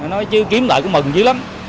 nói chứ kiếm lại cũng mừng chứ lắm